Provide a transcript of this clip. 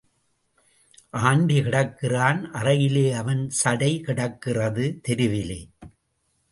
Aunty கிடக்கிறான் அறையிலே அவன் சடை கிடக்கிறது தெருவிலே.